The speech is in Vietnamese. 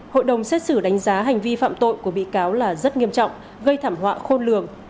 hội đồng xét xử đánh giá hành vi phạm tội của bị cáo là rất nghiêm trọng gây thảm họa khôn lường